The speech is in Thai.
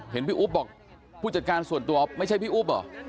เห็นพี่อุ๊บบอกผู้จัดการส่วนตัวไม่ใช่พี่อุ๊บเหรอ